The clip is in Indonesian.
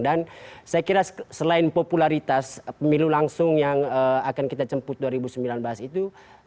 dan saya kira selain popularitas pemilu langsung yang akan kita cemput dua ribu sembilan belas itu